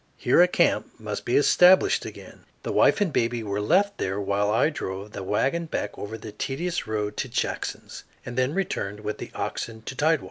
Here a camp must be established again. The wife and baby were left there while I drove the wagon back over the tedious road to Jackson's and then returned with the oxen to tidewater.